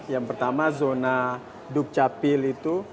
yang pertama zona dukcapil itu